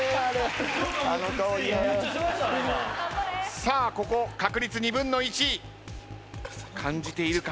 さあここ確率２分の１。感じているか？